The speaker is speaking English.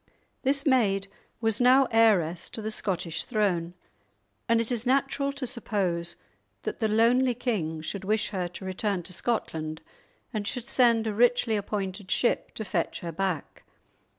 This maid was now heiress to the Scottish throne, and it is natural to suppose that the lonely king should wish her to return to Scotland, and should send a richly appointed ship to fetch her back.